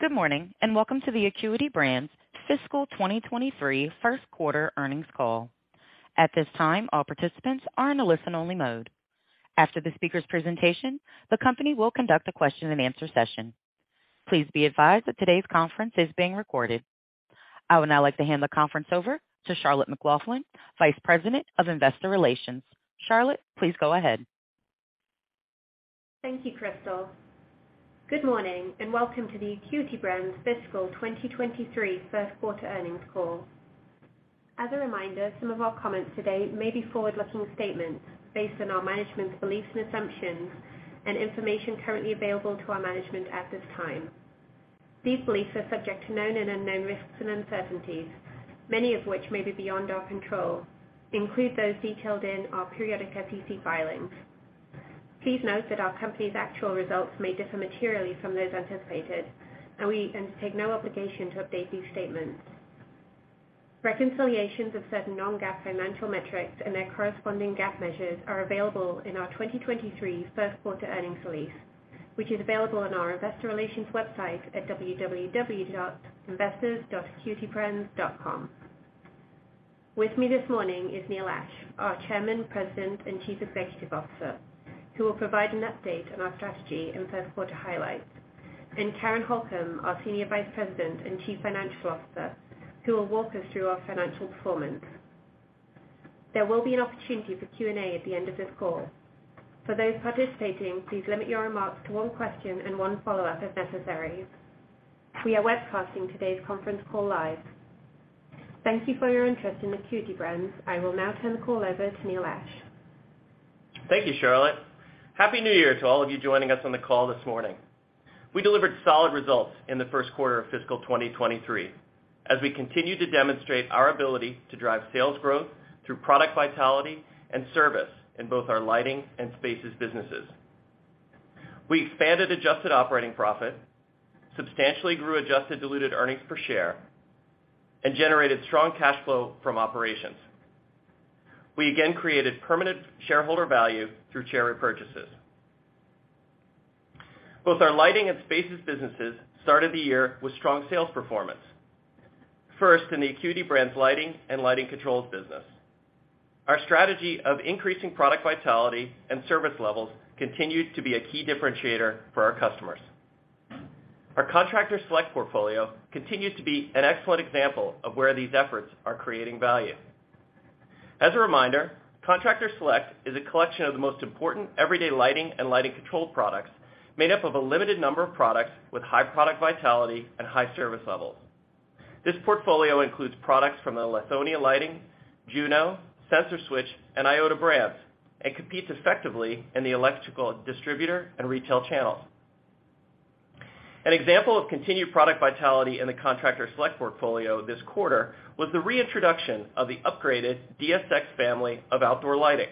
Good morning, and welcome to the Acuity Brands Fiscal 2023 Q1 earnings call. At this time, all participants are in a listen-only mode. After the speaker's presentation, the company will conduct a question-and-answer session. Please be advised that today's conference is being recorded. I would now like to hand the conference over to Charlotte McLaughlin, Vice President of Investor Relations. Charlotte, please go ahead. Thank you, Crystal. Good morning. Welcome to the Acuity Brands Fiscal 2023 Q1 earnings call. As a reminder, some of our comments today may be forward-looking statements based on our management's beliefs and assumptions and information currently available to our management at this time. These beliefs are subject to known and unknown risks and uncertainties, many of which may be beyond our control, include those detailed in our periodic SEC filings. Please note that our company's actual results may differ materially from those anticipated. We undertake no obligation to update these statements. Reconciliations of certain non-GAAP financial metrics and their corresponding GAAP measures are available in our 2023 Q1 earnings release, which is available on our investor relations website at www.investors.acuitybrands.com. With me this morning is Neil Ashe, our Chairman, President, and Chief Executive Officer, who will provide an update on our strategy and Q1 highlights, and Karen Holcom, our Senior Vice President and Chief Financial Officer, who will walk us through our financial performance. There will be an opportunity for Q&A at the end of this call. For those participating, please limit your remarks to one question and one follow-up if necessary. We are webcasting today's conference call live. Thank you for your interest in Acuity Brands. I will now turn the call over to Neil Ashe. Thank you, Charlotte. Happy New Year to all of you joining us on the call this morning. We delivered solid results in the Q1 of fiscal 2023 as we continue to demonstrate our ability to drive sales growth through product vitality and service in both our lighting and spaces businesses. We expanded adjusted operating profit, substantially grew adjusted diluted earnings per share, and generated strong cash flow from operations. We again created permanent shareholder value through share repurchases. Both our lighting and spaces businesses started the year with strong sales performance. First, in the Acuity Brands Lighting and Lighting Controls business. Our strategy of increasing product vitality and service levels continues to be a key differentiator for our customers. Our Contractor Select portfolio continues to be an excellent example of where these efforts are creating value. As a reminder, Contractor Select is a collection of the most important everyday lighting and lighting control products made up of a limited number of products with high product vitality and high service levels. This portfolio includes products from the Lithonia Lighting, Juno, Sensor Switch, and IOTA brands and competes effectively in the electrical distributor and retail channels. An example of continued product vitality in the Contractor Select portfolio this quarter was the reintroduction of the upgraded DSX family of outdoor lighting.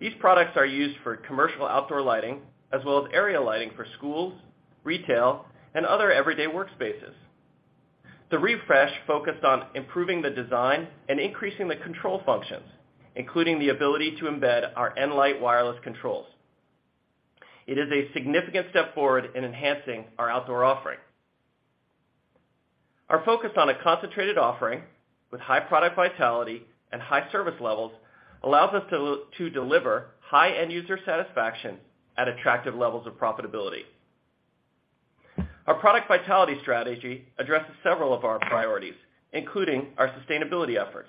These products are used for commercial outdoor lighting as well as area lighting for schools, retail, and other everyday workspaces. The refresh focused on improving the design and increasing the control functions, including the ability to embed our nLight wireless controls. It is a significant step forward in enhancing our outdoor offering. Our focus on a concentrated offering with high product vitality and high service levels allows us to deliver high-end user satisfaction at attractive levels of profitability. Our product vitality strategy addresses several of our priorities, including our sustainability efforts.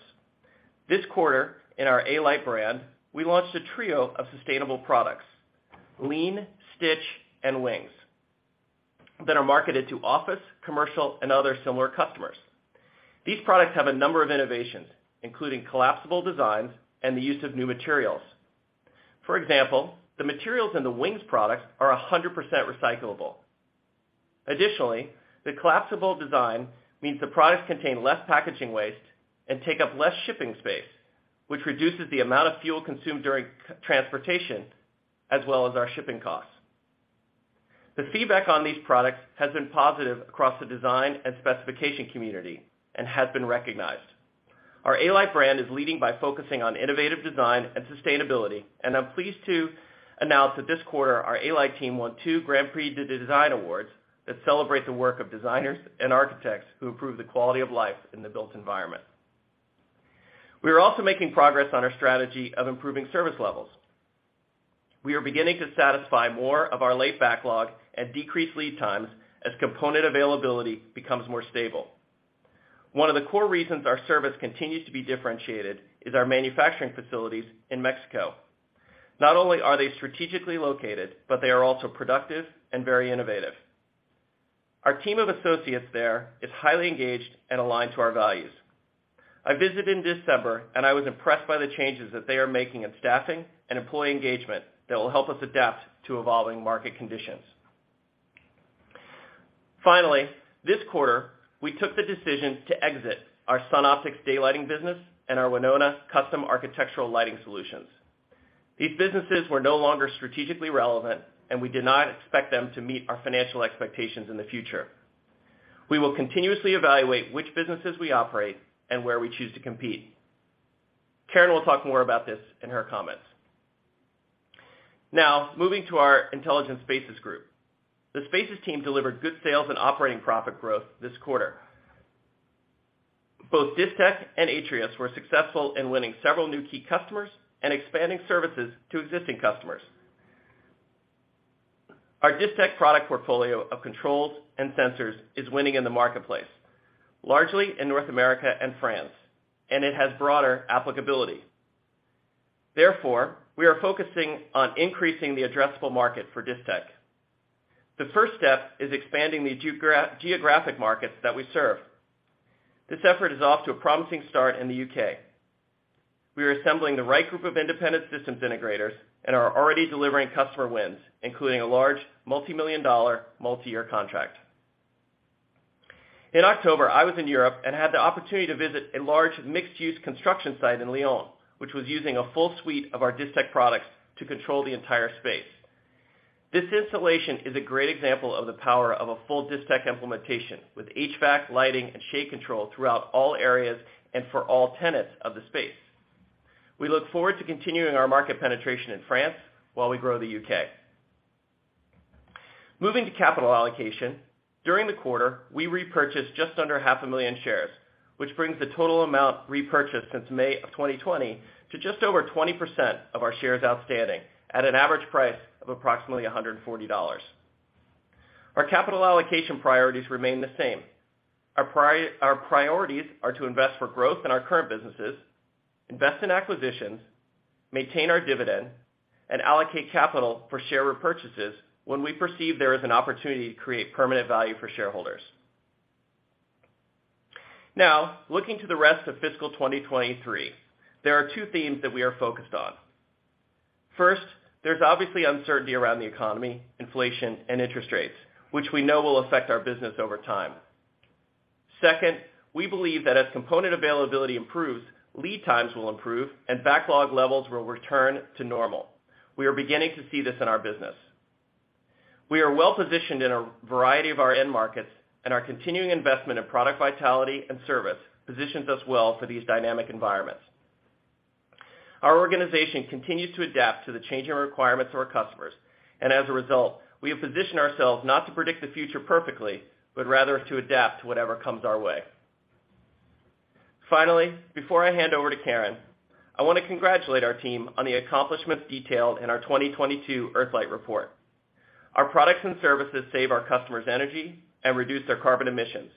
This quarter, in our A-Light brand, we launched a trio of sustainable products, Lean, Stitch, and Wings, that are marketed to office, commercial, and other similar customers. These products have a number of innovations, including collapsible designs and the use of new materials. For example, the materials in the Wings products are 100% recyclable. Additionally, the collapsible design means the products contain less packaging waste and take up less shipping space, which reduces the amount of fuel consumed during transportation as well as our shipping costs. The feedback on these products has been positive across the design and specification community and has been recognized. Our A-Light brand is leading by focusing on innovative design and sustainability, and I'm pleased to announce that this quarter, our A-Light team won two GRANDS PRIX DU DESIGN awards that celebrate the work of designers and architects who improve the quality of life in the built environment. We are also making progress on our strategy of improving service levels. We are beginning to satisfy more of our late backlog and decrease lead times as component availability becomes more stable. One of the core reasons our service continues to be differentiated is our manufacturing facilities in Mexico. Not only are they strategically located, but they are also productive and very innovative. Our team of associates there is highly engaged and aligned to our values. I visited in December, and I was impressed by the changes that they are making in staffing and employee engagement that will help us adapt to evolving market conditions. This quarter, we took the decision to exit our Sunoptics daylighting business and our Winona custom architectural lighting solutions. These businesses were no longer strategically relevant, and we did not expect them to meet our financial expectations in the future. We will continuously evaluate which businesses we operate and where we choose to compete. Karen will talk more about this in her comments. Moving to our Intelligent Spaces Group. The Spaces team delivered good sales and operating profit growth this quarter. Both Distech and Atrius were successful in winning several new key customers and expanding services to existing customers. Our Distech product portfolio of controls and sensors is winning in the marketplace, largely in North America and France, and it has broader applicability. Therefore, we are focusing on increasing the addressable market for Distech. The first step is expanding the geographic markets that we serve. This effort is off to a promising start in the U.K. We are assembling the right group of independent systems integrators and are already delivering customer wins, including a large multi-million dollar multi-year contract. In October, I was in Europe and had the opportunity to visit a large mixed-use construction site in Lyon, which was using a full suite of our Distech products to control the entire space. This installation is a great example of the power of a full Distech implementation, with HVAC, lighting, and shade control throughout all areas and for all tenants of the space. We look forward to continuing our market penetration in France while we grow the UK. Moving to capital allocation. During the quarter, we repurchased just under 500,000 shares, which brings the total amount repurchased since May of 2020 to just over 20% of our shares outstanding at an average price of approximately $140. Our priorities are to invest for growth in our current businesses, invest in acquisitions, maintain our dividend, and allocate capital for share repurchases when we perceive there is an opportunity to create permanent value for shareholders. Looking to the rest of fiscal 2023, there are two themes that we are focused on. There's obviously uncertainty around the economy, inflation, and interest rates, which we know will affect our business over time. Second, we believe that as component availability improves, lead times will improve and backlog levels will return to normal. We are beginning to see this in our business. We are well-positioned in a variety of our end markets, and our continuing investment in product vitality and service positions us well for these dynamic environments. Our organization continues to adapt to the changing requirements of our customers, and as a result, we have positioned ourselves not to predict the future perfectly, but rather to adapt to whatever comes our way. Finally, before I hand over to Karen, I want to congratulate our team on the accomplishments detailed in our 2022 EarthLIGHT report. Our products and services save our customers energy and reduce their carbon emissions,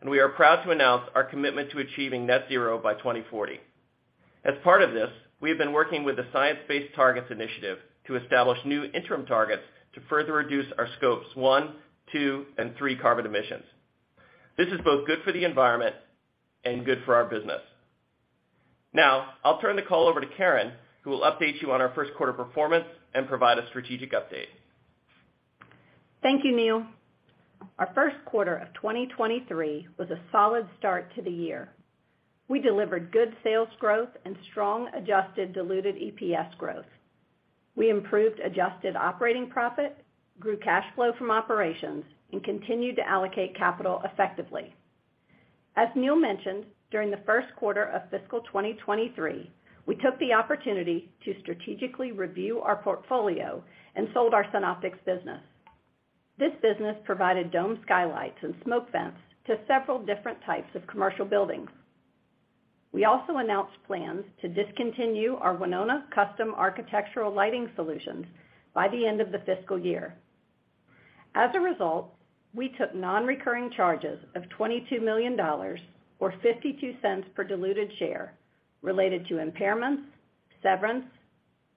and we are proud to announce our commitment to achieving net zero by 2040. As part of this, we have been working with the Science Based Targets initiative to establish new interim targets to further reduce our Scopes one, two, and three carbon emissions. This is both good for the environment and good for our business. I'll turn the call over to Karen, who will update you on our Q1 performance and provide a strategic update. Thank you, Neil. Our Q1 of 2023 was a solid start to the year. We delivered good sales growth and strong adjusted diluted EPS growth. We improved adjusted operating profit, grew cash flow from operations, and continued to allocate capital effectively. As Neil mentioned, during the Q1 of fiscal 2023, we took the opportunity to strategically review our portfolio and sold our Sunoptics business. This business provided domed skylights and smoke vents to several different types of commercial buildings. We also announced plans to discontinue our Winona custom architectural lighting solutions by the end of the fiscal year. As a result, we took non-recurring charges of $22 million or $0.52 per diluted share related to impairments, severance,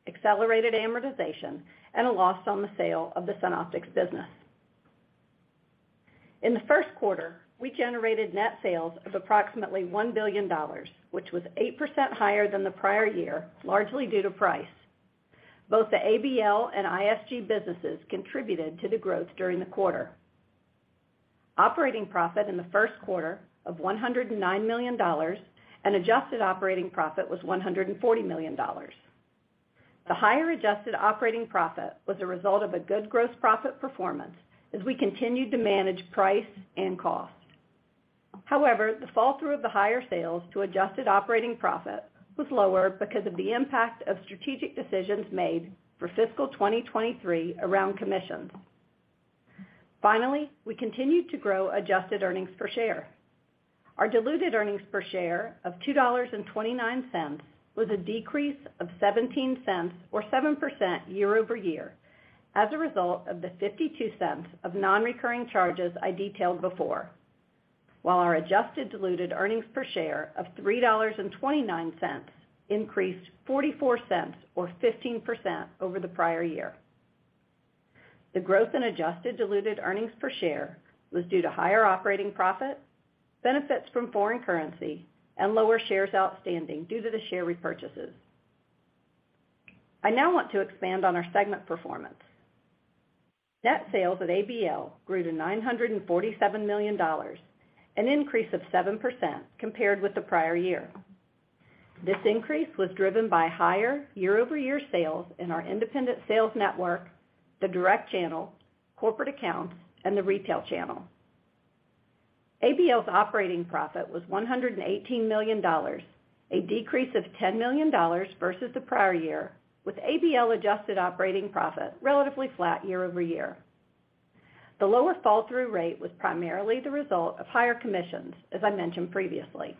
accelerated amortization, and a loss on the sale of the Sunoptics business. In the Q1, we generated net sales of approximately $1 billion, which was 8% higher than the prior year, largely due to price. Both the ABL and ISG businesses contributed to the growth during the quarter. Operating profit in the Q1 of $109 million and adjusted operating profit was $140 million. The higher adjusted operating profit was a result of a good gross profit performance as we continued to manage price and cost. However, the fall through of the higher sales to adjusted operating profit was lower because of the impact of strategic decisions made for fiscal 2023 around commissions. Finally, we continued to grow adjusted earnings per share. Our diluted earnings per share of $2.29 was a decrease of $0.17 or 7% year-over-year as a result of the $0.52 of non-recurring charges I detailed before. Our adjusted diluted earnings per share of $3.29 increased $0.44 or 15% over the prior year. The growth in adjusted diluted earnings per share was due to higher operating profit, benefits from foreign currency, and lower shares outstanding due to the share repurchases. I now want to expand on our segment performance. Net sales at ABL grew to $947 million, an increase of 7% compared with the prior year. This increase was driven by higher year-over-year sales in our independent sales network, the direct channel, corporate accounts, and the retail channel. ABL's operating profit was $118 million, a decrease of $10 million versus the prior year, with ABL adjusted operating profit relatively flat year-over-year. The lower fall-through rate was primarily the result of higher commissions, as I mentioned previously.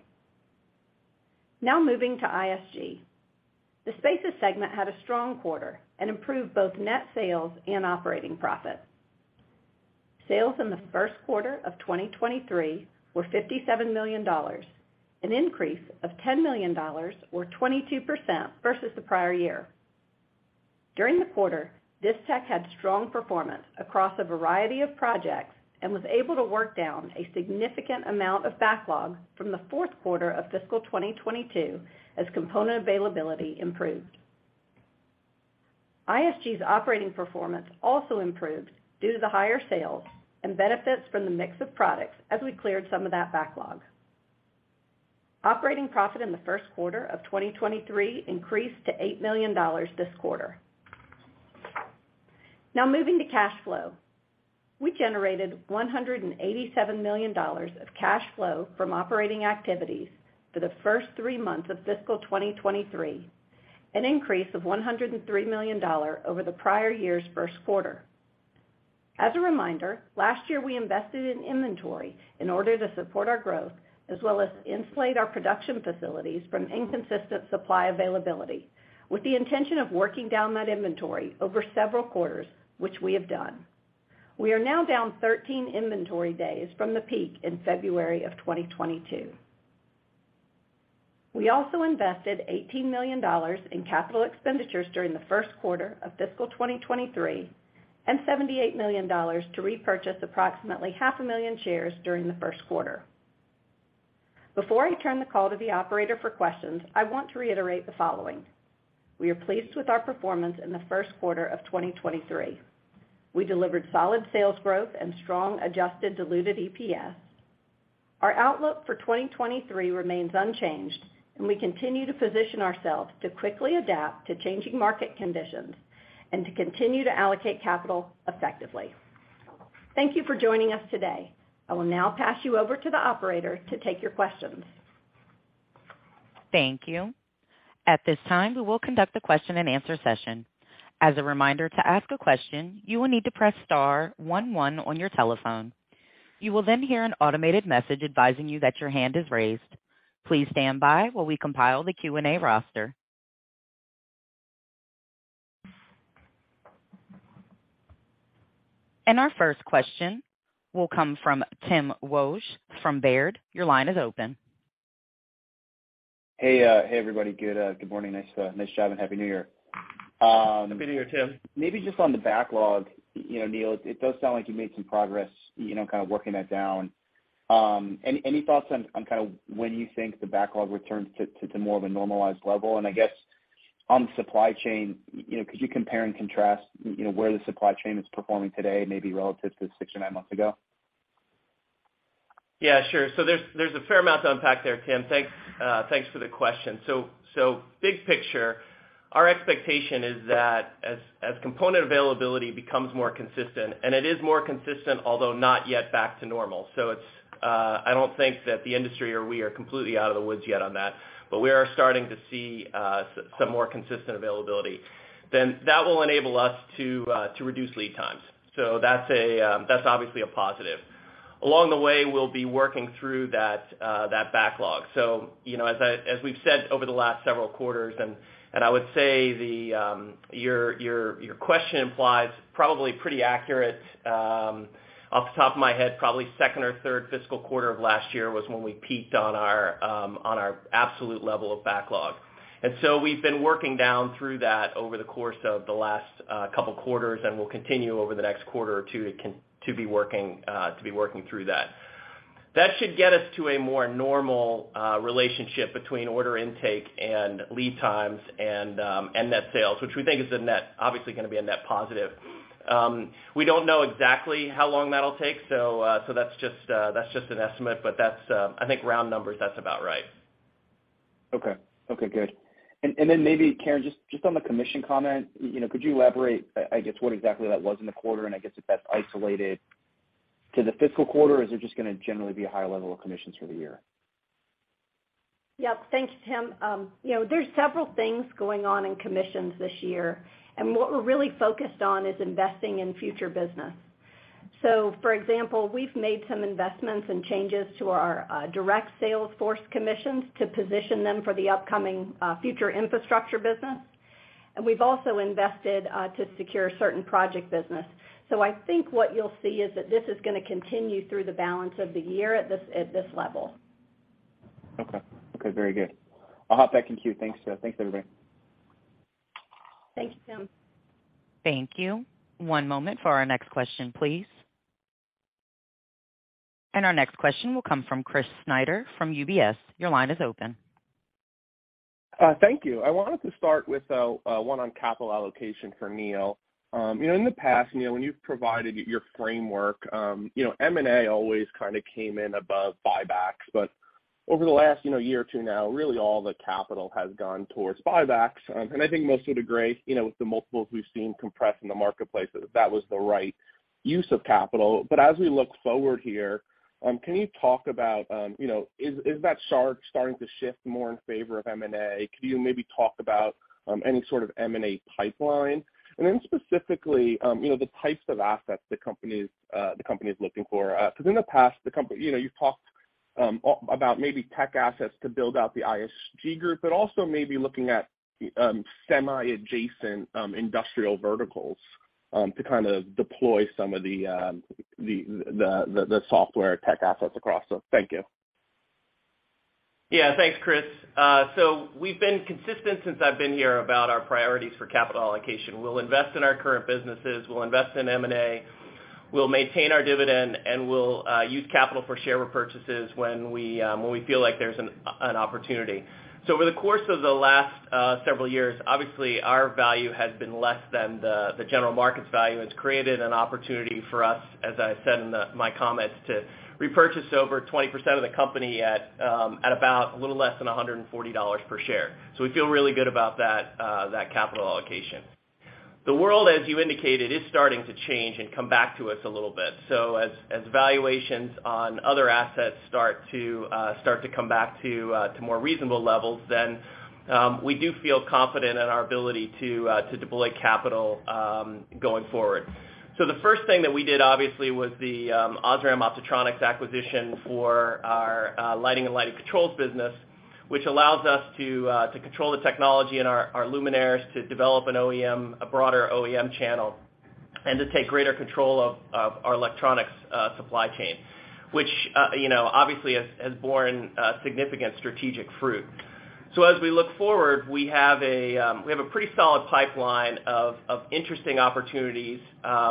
Moving to ISG. The Spaces segment had a strong quarter and improved both net sales and operating profits. Sales in the Q1 of 2023 were $57 million, an increase of $10 million or 22% versus the prior year. During the quarter, Distech had strong performance across a variety of projects and was able to work down a significant amount of backlog from the Q4 of fiscal 2022 as component availability improved. ISG's operating performance also improved due to the higher sales and benefits from the mix of products as we cleared some of that backlog. Operating profit in the Q1 of 2023 increased to $8 million this quarter. Moving to cash flow. We generated $187 million of cash flow from operating activities for the first three months of fiscal 2023, an increase of $103 million over the prior year's Q1. As a reminder, last year, we invested in inventory in order to support our growth as well as insulate our production facilities from inconsistent supply availability, with the intention of working down that inventory over several quarters, which we have done. We are now down 13 inventory days from the peak in February of 2022. We also invested $18 million in capital expenditures during the Q1 of fiscal 2023 and $78 million to repurchase approximately 500,000 shares during the Q1. Before I turn the call to the operator for questions, I want to reiterate the following. We are pleased with our performance in the Q1 of 2023. We delivered solid sales growth and strong adjusted diluted EPS. Our outlook for 2023 remains unchanged. We continue to position ourselves to quickly adapt to changing market conditions and to continue to allocate capital effectively. Thank you for joining us today. I will now pass you over to the operator to take your questions. Thank you. At this time, we will conduct a question-and-answer session. As a reminder, to ask a question, you will need to press star one one on your telephone. You will then hear an automated message advising you that your hand is raised. Please stand by while we compile the Q&A roster. Our first question will come from Tim Wojs from Baird. Your line is open. Hey everybody. Good morning. Nice job and happy New Year. Happy New Year, Tim. Maybe just on the backlog, you know, Neil, it does sound like you made some progress, you know, kind of working that down. Any thoughts on kind of when you think the backlog returns to more of a normalized level? I guess on the supply chain, you know, could you compare and contrast, you know, where the supply chain is performing today, maybe relative to 6 to 9 months ago? Yeah, sure. There's a fair amount to unpack there, Tim. Thanks, thanks for the question. Big picture, our expectation is that as component availability becomes more consistent, and it is more consistent, although not yet back to normal. It's, I don't think that the industry or we are completely out of the woods yet on that, but we are starting to see some more consistent availability. That will enable us to reduce lead times. That's a, that's obviously a positive. Along the way, we'll be working through that backlog. You know, as we've said over the last several quarters, and I would say the, your question implies probably pretty accurate, off the top of my head, probably second or third fiscal quarter of last year was when we peaked on our absolute level of backlog. We've been working down through that over the course of the last couple quarters, and we'll continue over the next quarter or two to be working through that. That should get us to a more normal relationship between order intake and lead times and net sales, which we think is a net, obviously gonna be a net positive. We don't know exactly how long that'll take, so that's just, that's just an estimate, but that's, I think round numbers, that's about right. Okay. Okay, good. Then maybe, Karen, just on the commission comment, you know, could you elaborate, I guess, what exactly that was in the quarter and I guess if that's isolated to the fiscal quarter, or is it just gonna generally be a higher level of commissions for the year? Yeah. Thanks, Tim. You know, there's several things going on in commissions this year, and what we're really focused on is investing in future business. For example, we've made some investments and changes to our direct sales force commissions to position them for the upcoming future infrastructure business. We've also invested to secure certain project business. I think what you'll see is that this is gonna continue through the balance of the year at this level. Okay. Okay, very good. I'll hop back in queue. Thanks, thanks everybody. Thanks, Tim. Thank you. One moment for our next question, please. Our next question will come from Chris Snyder from UBS. Your line is open. Thank you. I wanted to start with one on capital allocation for Neil. You know, in the past, Neil, when you've provided your framework, you know, M&A always kinda came in above buybacks but over the last, you know, year or two now, really all the capital has gone towards buybacks. I think most would agree, you know, with the multiples we've seen compress in the marketplace, that that was the right use of capital. As we look forward here, can you talk about, you know, is that starting to shift more in favor of M&A? Could you maybe talk about any sort of M&A pipeline? Specifically, you know, the types of assets the company's looking for. 'cause in the past, the company, you know, you've talked, about maybe tech assets to build out the ISG group, but also maybe looking at, semi-adjacent, industrial verticals, to kind of deploy some of the software tech assets across. Thank you. Thanks, Chris. We've been consistent since I've been here about our priorities for capital allocation. We'll invest in our current businesses, we'll invest in M&A, we'll maintain our dividend, and we'll use capital for share repurchases when we feel like there's an opportunity. Over the course of the last several years, obviously our value has been less than the general market's value. It's created an opportunity for us, as I said in my comments, to repurchase over 20% of the company at about a little less than $140 per share. We feel really good about that capital allocation. The world, as you indicated, is starting to change and come back to us a little bit. As valuations on other assets start to come back to more reasonable levels, we do feel confident in our ability to deploy capital going forward. The first thing that we did, obviously, was the Osram OptoTronic acquisition for our Lighting and Lighting Controls Business, which allows us to control the technology in our luminaires to develop an OEM, a broader OEM channel, and to take greater control of our electronics supply chain, which, you know, obviously has borne significant strategic fruit. As we look forward, we have a pretty solid pipeline of interesting opportunities,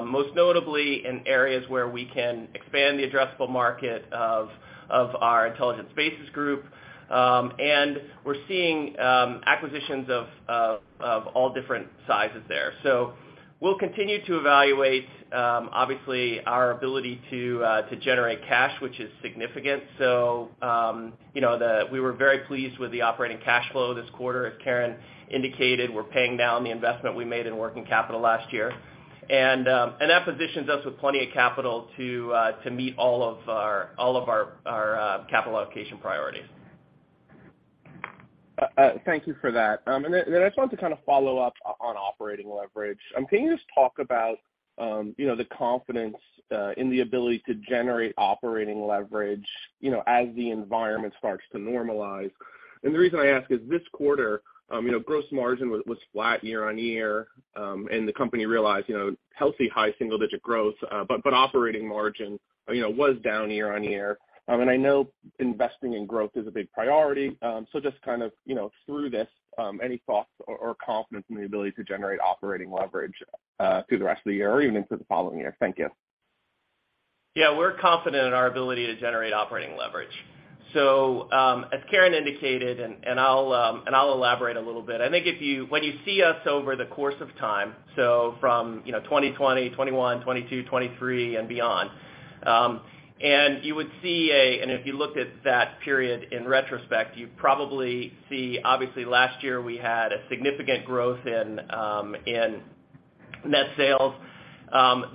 most notably in areas where we can expand the addressable market of our Intelligent Spaces Group. We're seeing acquisitions of all different sizes there. We'll continue to evaluate obviously our ability to generate cash, which is significant. You know, we were very pleased with the operating cash flow this quarter. As Karen indicated, we're paying down the investment we made in working capital last year. That positions us with plenty of capital to meet all of our capital allocation priorities. Thank you for that. Then I just wanted to kind of follow up on operating leverage. Can you just talk about, you know, the confidence in the ability to generate operating leverage, you know, as the environment starts to normalize? The reason I ask is this quarter, you know, gross margin was flat year-on-year, and the company realized, you know, healthy high single-digit growth, but operating margin, you know, was down year-on-year. I know investing in growth is a big priority. Just kind of, you know, through this, any thoughts or confidence in the ability to generate operating leverage through the rest of the year or even into the following year? Thank you. Yeah. We're confident in our ability to generate operating leverage. As Karen indicated, and I'll elaborate a little bit. I think if you when you see us over the course of time, from, you know, 2020, 2021, 2022, 2023 and beyond, and if you looked at that period in retrospect, you'd probably see obviously last year we had a significant growth in net sales,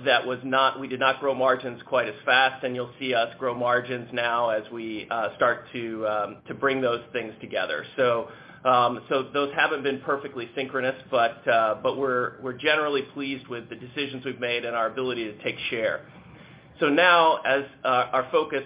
that was not we did not grow margins quite as fast. You'll see us grow margins now as we start to bring those things together. Those haven't been perfectly synchronous, but we're generally pleased with the decisions we've made and our ability to take share. Now as our focus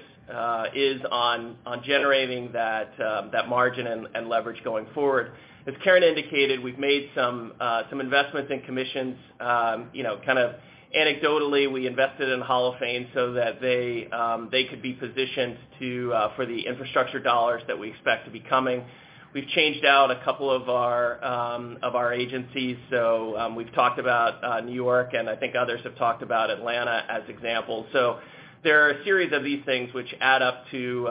is on generating that margin and leverage going forward, as Karen indicated, we've made some investments in commissions. Kind of anecdotally, we invested in Holophane so that they could be positioned for the infrastructure dollars that we expect to be coming. We've changed out a couple of our agencies. We've talked about New York, and I think others have talked about Atlanta as examples. There are a series of these things which add up to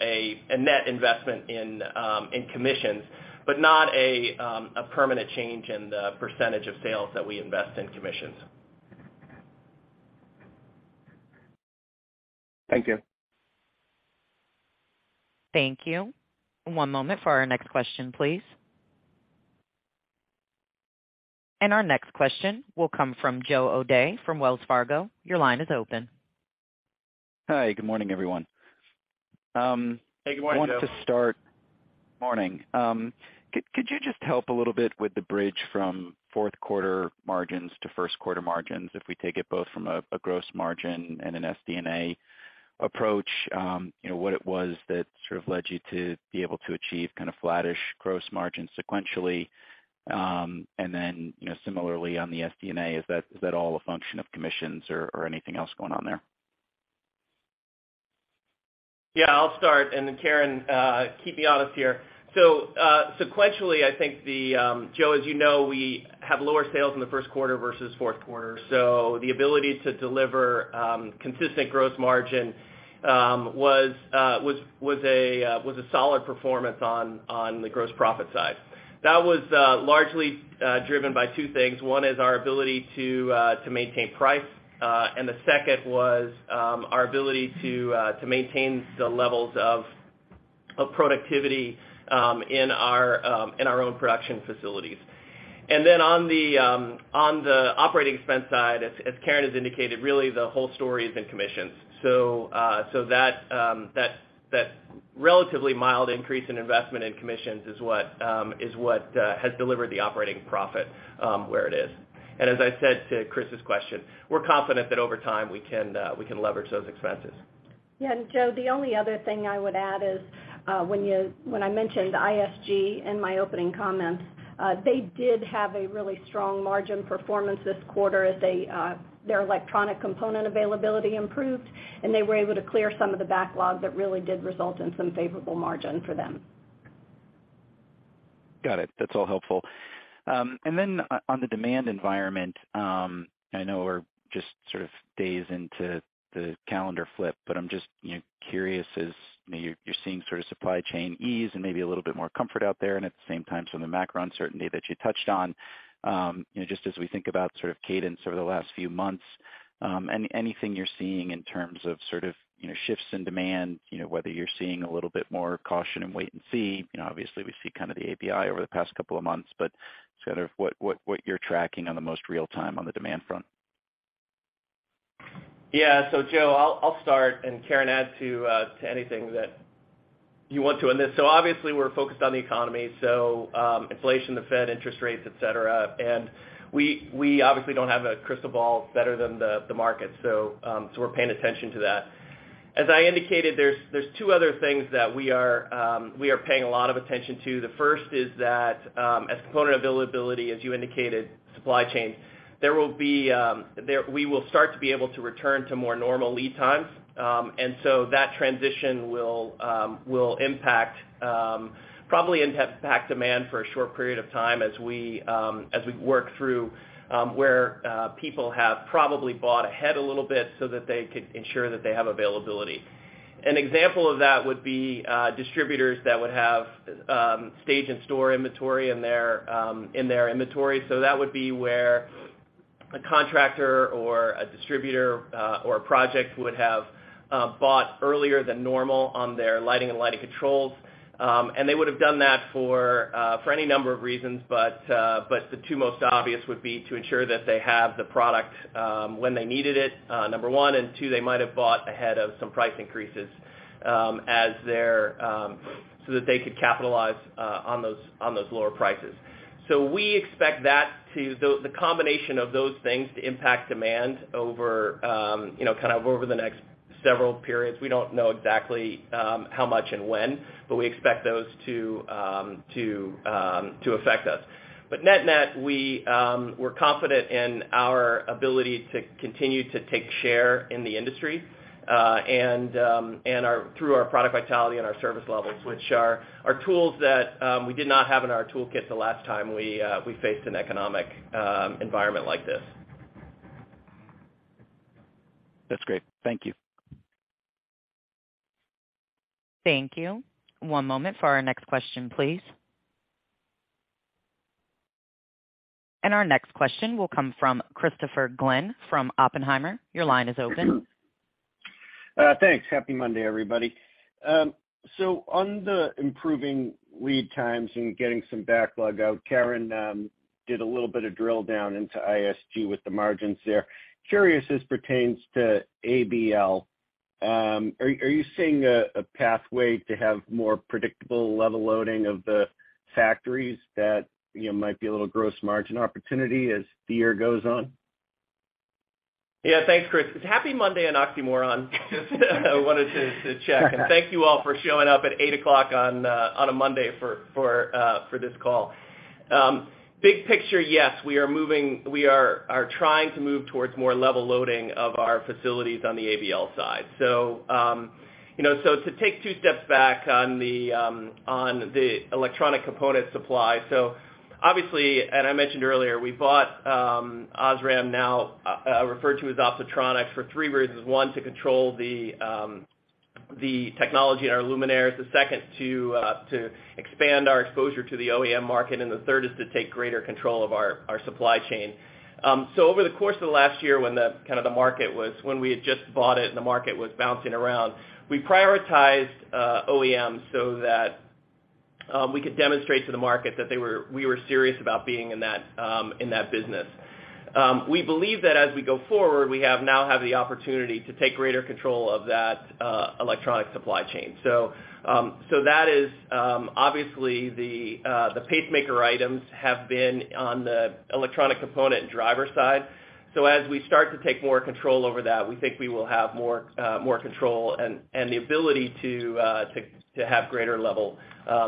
a net investment in commissions, but not a permanent change in the % of sales that we invest in commissions. Thank you. Thank you. One moment for our next question, please. Our next question will come from Joseph O'Dea from Wells Fargo. Your line is open. Hi. Good morning, everyone. Hey, good morning, Joe. Morning. Could you just help a little bit with the bridge from Q4 margins to Q1 margins, if we take it both from a gross margin and an SD&A approach, you know, what it was that sort of led you to be able to achieve kind of flattish gross margins sequentially? Then, you know, similarly on the SD&A, is that all a function of commissions or anything else going on there? Yeah, I'll start, and then Karen, keep me honest here. Sequentially, I think the, Joe, as you know, we have lower sales in the Q1 versus Q4. The ability to deliver consistent gross margin was a solid performance on the gross profit side. That was largely driven by two things. One is our ability to maintain price. The second was our ability to maintain the levels of productivity in our own production facilities. On the operating expense side, as Karen has indicated, really the whole story is in commissions. That relatively mild increase in investment in commissions is what has delivered the operating profit where it is. As I said to Chris's question, we're confident that over time we can leverage those expenses. Yeah. Joe, the only other thing I would add is, when I mentioned ISG in my opening comments, they did have a really strong margin performance this quarter as they, their electronic component availability improved, and they were able to clear some of the backlog that really did result in some favorable margin for them. Got it. That's all helpful. On the demand environment, I know we're just sort of days into the calendar flip, but I'm just, you know, curious as, you know, you're seeing sort of supply chain ease and maybe a little bit more comfort out there and at the same time, some of the macro uncertainty that you touched on, you know, just as we think about sort of cadence over the last few months, anything you're seeing in terms of sort of, you know, shifts in demand, you know, whether you're seeing a little bit more caution and wait and see, you know, obviously, we see kind of the API over the past couple of months, but sort of what you're tracking on the most real time on the demand front. Yeah. Joe, I'll start and Karen add to anything that you want to on this. Obviously, we're focused on the economy, so inflation, the Fed, interest rates, et cetera. We obviously don't have a crystal ball better than the market. So we're paying attention to that. As I indicated, there's two other things that we are paying a lot of attention to. The first is that as component availability, as you indicated, supply chain, there will be we will start to be able to return to more normal lead times. That transition will impact, probably impact demand for a short period of time as we work through, where people have probably bought ahead a little bit so that they can ensure that they have availability. An example of that would be, distributors that would have, stage and store inventory in their, in their inventory. That would be where a contractor or a distributor, or a project would have, bought earlier than normal on their lighting and lighting controls. They would've done that for any number of reasons, but the 2 most obvious would be to ensure that they have the product when they needed it, number 1, and 2, they might have bought ahead of some price increases, as they're so that they could capitalize on those, on those lower prices. We expect that the combination of those things to impact demand over, you know, kind of over the next several periods. We don't know exactly, how much and when, but we expect those to, to affect us. Net-net, we're confident in our ability to continue to take share in the industry, and through our product vitality and our service levels, which are tools that we did not have in our toolkit the last time we faced an economic environment like this. That's great. Thank you. Thank you. One moment for our next question, please. Our next question will come from Christopher Glynn from Oppenheimer. Your line is open. Thanks. Happy Monday, everybody. On the improving lead times and getting some backlog out, Karen did a little bit of drill down into ISG with the margins there. Curious as pertains to ABL, are you seeing a pathway to have more predictable level loading of the factories that, you know, might be a little gross margin opportunity as the year goes on? Yeah. Thanks, Chris. Happy Monday, an oxymoron. Just wanted to check. Thank you all for showing up at 8:00 on a Monday for this call. Big picture, yes, we are moving, we are trying to move towards more level loading of our facilities on the ABL side. You know, so to take 2 steps back on the electronic component supply. Obviously, and I mentioned earlier, we bought Osram now referred to as Optotronic for 3 reasons. One, to control the technology in our luminaires. The second, to expand our exposure to the OEM market, and the third is to take greater control of our supply chain. Over the course of the last year, when we had just bought it and the market was bouncing around, we prioritized OEMs so that we could demonstrate to the market that we were serious about being in that business. We believe that as we go forward, we now have the opportunity to take greater control of that electronic supply chain. That is obviously the pacemaker items have been on the electronic component and driver side. As we start to take more control over that, we think we will have more control and the ability to have greater level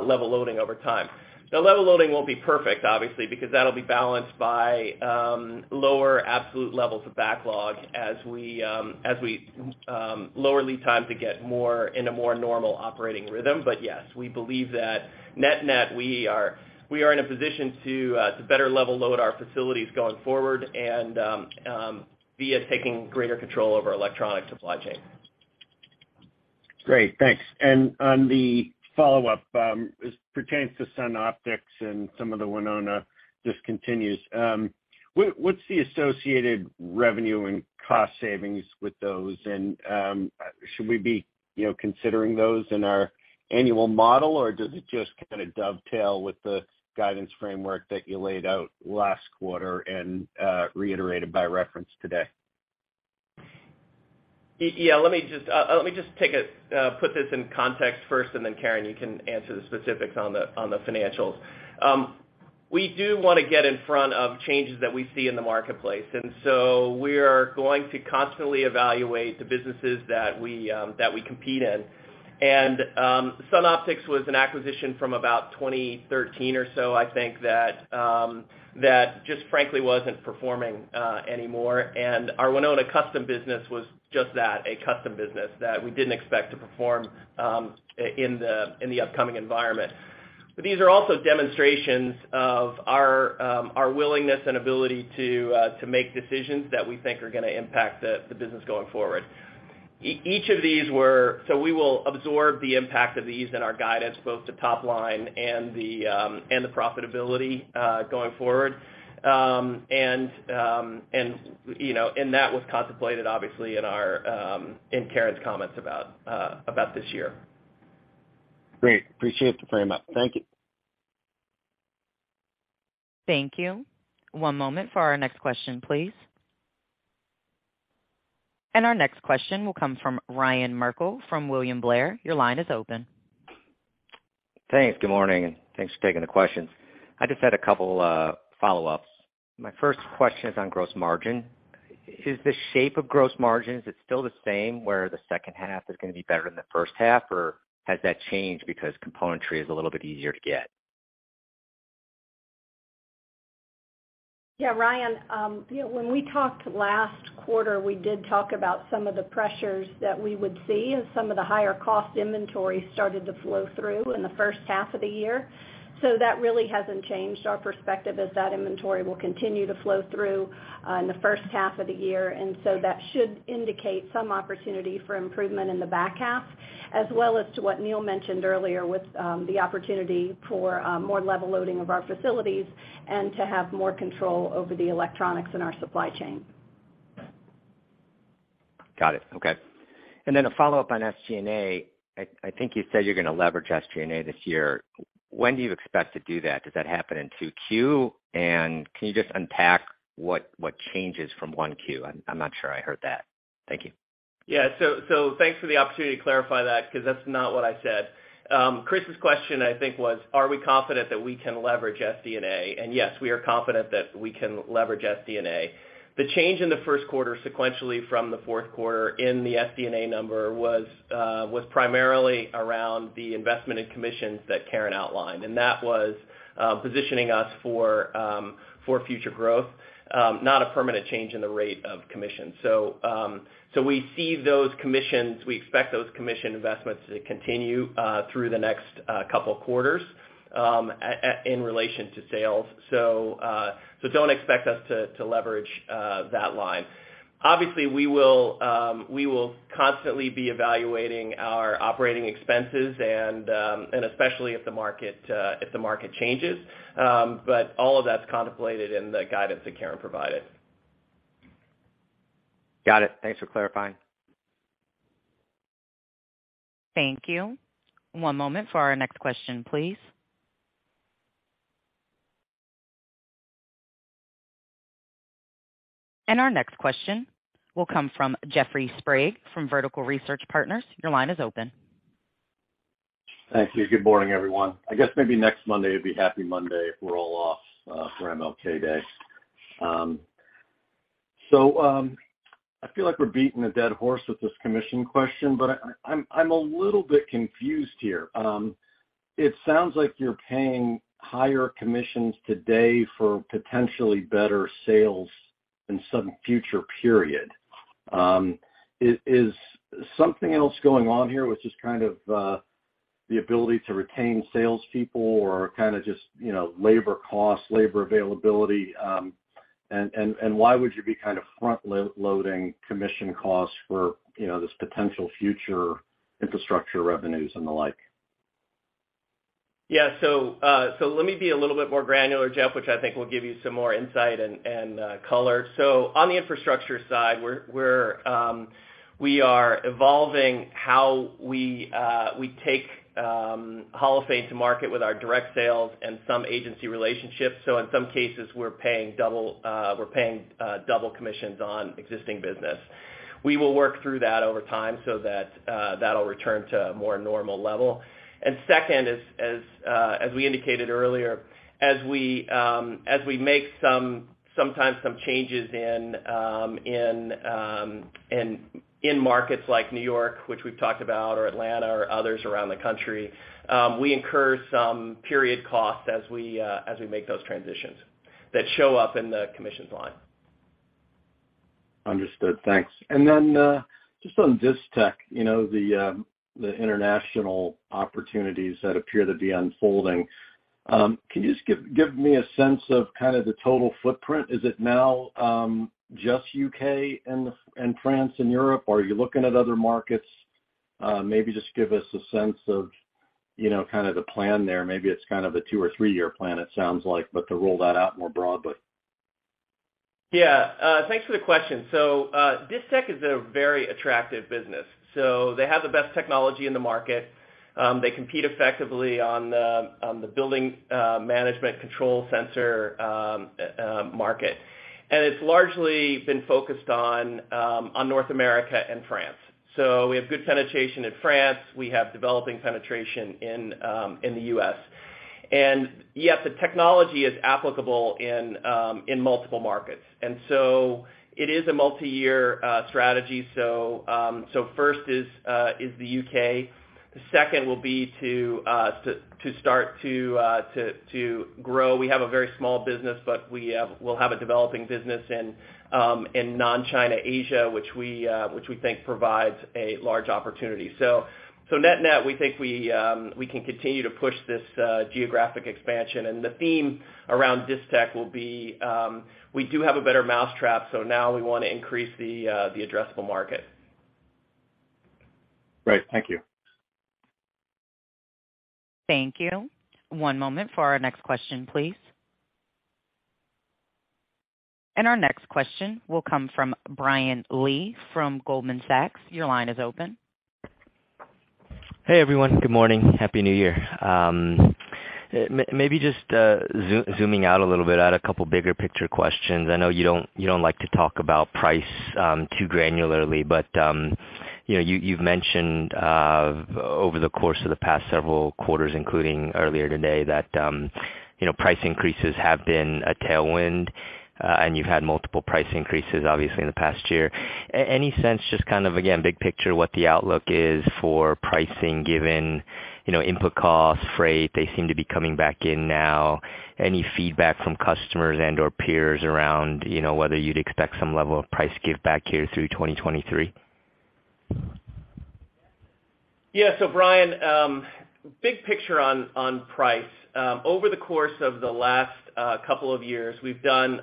loading over time. The level loading won't be perfect, obviously, because that'll be balanced by lower absolute levels of backlog as we lower lead time to get more into more normal operating rhythm. Yes, we believe that net-net, we are in a position to better level load our facilities going forward and via taking greater control over electronic supply chain. Great, thanks. On the follow-up, as pertains to Sunoptics and some of the Winona discontinues, what's the associated revenue and cost savings with those? Should we be, you know, considering those in our annual model, or does it just kinda dovetail with the guidance framework that you laid out last quarter and reiterated by reference today? Yeah, let me just, let me just put this in context first, and then Karen, you can answer the specifics on the financials. We do wanna get in front of changes that we see in the marketplace. So we are going to constantly evaluate the businesses that we compete in. Sunoptics was an acquisition from about 2013 or so, I think that just frankly wasn't performing anymore. Our Winona custom business was just that, a custom business that we didn't expect to perform in the upcoming environment. These are also demonstrations of our willingness and ability to make decisions that we think are gonna impact the business going forward. Each of these were. We will absorb the impact of these in our guidance, both to top line and the profitability going forward. You know, that was contemplated, obviously, in our in Karen's comments about about this year. Great. Appreciate the frame-up. Thank you. Thank you. One moment for our next question, please. Our next question will come from Ryan Merkel from William Blair. Your line is open. Thanks. Good morning. Thanks for taking the questions. I just had a couple follow-ups. My first question is on gross margin. Is the shape of gross margins, it's still the same where the second half is gonna be better than the first half, or has that changed because componentry is a little bit easier to get? Yeah, Ryan, you know, when we talked last quarter, we did talk about some of the pressures that we would see as some of the higher cost inventory started to flow through in the first half of the year. That really hasn't changed our perspective as that inventory will continue to flow through in the first half of the year. That should indicate some opportunity for improvement in the back half, as well as to what Neil mentioned earlier with the opportunity for more level loading of our facilities and to have more control over the electronics in our supply chain. Got it. Okay. A follow-up on SG&A. I think you said you're gonna leverage SG&A this year. When do you expect to do that? Does that happen in 2Q? Can you just unpack what changes from 1Q? I'm not sure I heard that. Thank you. Thanks for the opportunity to clarify that because that's not what I said. Chris's question, I think, was, are we confident that we can leverage SG&A? Yes, we are confident that we can leverage SG&A. The change in the Q1 sequentially from the Q4 in the SG&A number was primarily around the investment in commissions that Karen outlined, and that was positioning us for future growth, not a permanent change in the rate of commission. We see those commissions, we expect those commission investments to continue through the next couple of quarters in relation to sales. Don't expect us to leverage that line. Obviously, we will constantly be evaluating our operating expenses and especially if the market changes. All of that's contemplated in the guidance that Karen provided. Got it. Thanks for clarifying. Thank you. One moment for our next question, please. Our next question will come from Jeffrey Sprague from Vertical Research Partners. Your line is open. Thank you. Good morning, everyone. I guess maybe next Monday, it'll be happy Monday if we're all off for MLK Day. I feel like we're beating a dead horse with this commission question, but I'm a little bit confused here. It sounds like you're paying higher commissions today for potentially better sales in some future period. Is something else going on here, which is kind of the ability to retain salespeople or kind of just, you know, labor costs, labor availability? Why would you be kind of front-loading commission costs for, you know, this potential future infrastructure revenues and the like? Yeah. Let me be a little bit more granular, Jeff, which I think will give you some more insight and color. On the infrastructure side, we're evolving how we take Holophane to market with our direct sales and some agency relationships. In some cases, we're paying double commissions on existing business. We will work through that over time so that that'll return to a more normal level. Second, as we indicated earlier, as we make sometimes some changes in markets like New York, which we've talked about, or Atlanta or others around the country, we incur some period costs as we make those transitions that show up in the commissions line. Understood. Thanks. Just on Distech, you know, the international opportunities that appear to be unfolding. Can you just give me a sense of kind of the total footprint? Is it now just UK and France and Europe, or are you looking at other markets? Maybe just give us a sense of, you know, kind of the plan there. Maybe it's kind of a two or three-year plan it sounds like, but to roll that out more broadly. Yeah. Thanks for the question. Distech Controls is a very attractive business. They have the best technology in the market, they compete effectively on the building management control sensor market. It's largely been focused on North America and France. We have good penetration in France. We have developing penetration in the U.S. Yeah, the technology is applicable in multiple markets. It is a multi-year strategy. First is the U.K. The second will be to start to grow. We have a very small business, but we'll have a developing business in non-China Asia, which we think provides a large opportunity. Net-net, we think we can continue to push this geographic expansion. The theme around Distech will be, we do have a better mousetrap, so now we wanna increase the addressable market. Great. Thank you. Thank you. One moment for our next question, please. Our next question will come from Brian Lee from Goldman Sachs. Your line is open. Hey, everyone. Good morning. Happy New Year. Maybe just zooming out a little bit, I had a couple bigger picture questions. I know you don't, you don't like to talk about price too granularly, but you know, you've mentioned over the course of the past several quarters, including earlier today, that you know, price increases have been a tailwind, and you've had multiple price increases, obviously, in the past year. Any sense, just kind of again, big picture, what the outlook is for pricing given, you know, input costs, freight, they seem to be coming back in now. Any feedback from customers and/or peers around, you know, whether you'd expect some level of price give back here through 2023? Yeah. Brian, big picture on price. Over the course of the last couple of years, we've done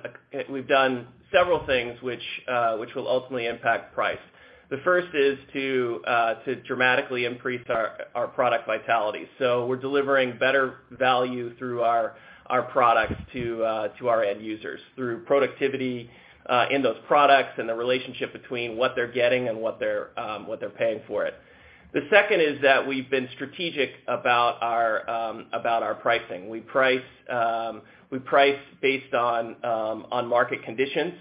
several things which will ultimately impact price. The first is to dramatically increase our product vitality. We're delivering better value through our products to our end users through productivity in those products and the relationship between what they're getting and what they're paying for it. The second is that we've been strategic about our pricing. We price based on market conditions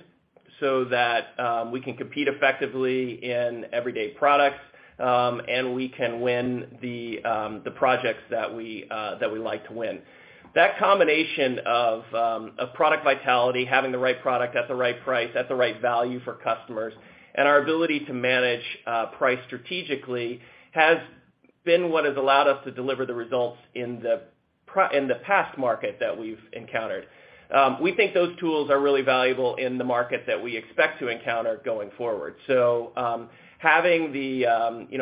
that we can compete effectively in everyday products and we can win the projects that we like to win. That combination of product vitality, having the right product at the right price, at the right value for customers, and our ability to manage price strategically has been what has allowed us to deliver the results in the past market that we've encountered. We think those tools are really valuable in the market that we expect to encounter going forward. You know,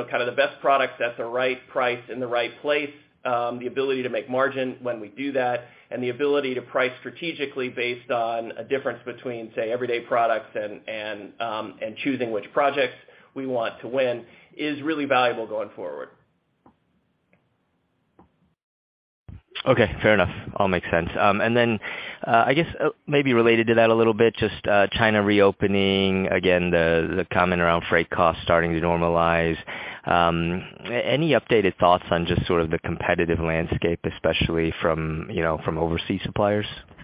kinda the best products at the right price in the right place, the ability to make margin when we do that, and the ability to price strategically based on a difference between, say, everyday products and choosing which projects we want to win is really valuable going forward. Okay. Fair enough. All makes sense. I guess, maybe related to that a little bit, just, China reopening, again, the comment around freight costs starting to normalize. Any updated thoughts on just sort of the competitive landscape, especially from, you know, from overseas suppliers? Yeah,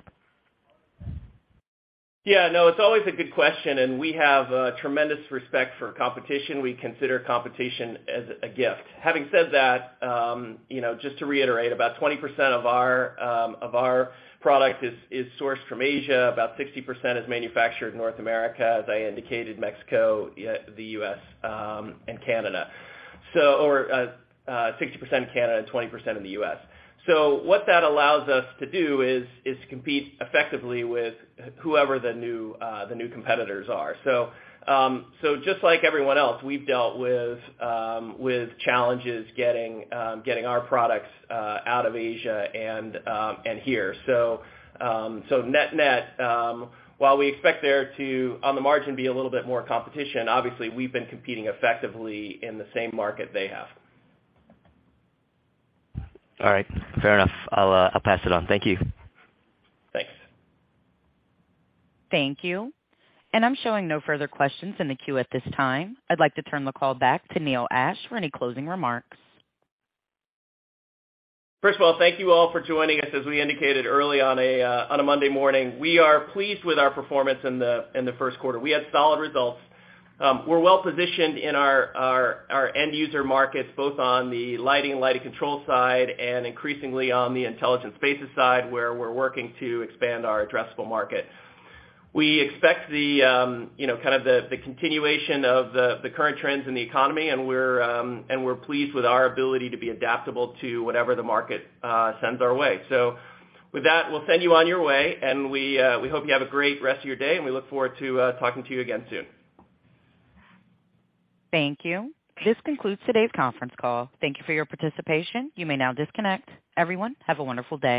no, it's always a good question, and we have tremendous respect for competition. We consider competition as a gift. Having said that, you know, just to reiterate, about 20% of our product is sourced from Asia, about 60% is manufactured in North America, as I indicated, Mexico, the US, and Canada. Or, 60% Canada and 20% in the US. What that allows us to do is compete effectively with whoever the new competitors are. Just like everyone else, we've dealt with challenges getting our products out of Asia and here. Net-net, while we expect there to, on the margin, be a little bit more competition, obviously we've been competing effectively in the same market they have. All right. Fair enough. I'll pass it on. Thank you. Thanks. Thank you. I'm showing no further questions in the queue at this time. I'd like to turn the call back to Neil Ashe for any closing remarks. First of all, thank you all for joining us as we indicated early on a Monday morning. We are pleased with our performance in the Q1. We had solid results. We're well-positioned in our end user markets, both on the lighting control side, and increasingly on the intelligent spaces side, where we're working to expand our addressable market. We expect the, you know, kind of the continuation of the current trends in the economy, and we're pleased with our ability to be adaptable to whatever the market sends our way. With that, we'll send you on your way, and we hope you have a great rest of your day, and we look forward to talking to you again soon. Thank you. This concludes today's conference call. Thank you for your participation. You may now disconnect. Everyone, have a wonderful day.